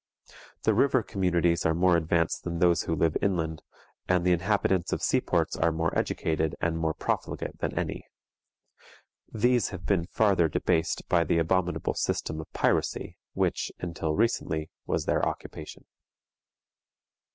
The river communities are more advanced than those who live inland, and the inhabitants of sea ports are more educated and more profligate than any. These have been farther debased by the abominable system of piracy, which, until recently, was their occupation.